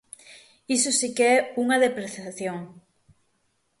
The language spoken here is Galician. Iso si que é unha depreciación.